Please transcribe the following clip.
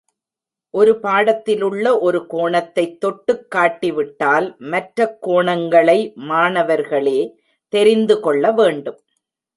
ஒரு பாடத்திலுள்ள ஒரு கோணத்தைத் தொட்டுக்காட்டி விட்டால் மற்ற கோணங்களை மாணவர்களே தெரிந்துகொள்ளவேண்டும்.